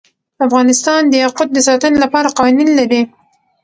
افغانستان د یاقوت د ساتنې لپاره قوانین لري.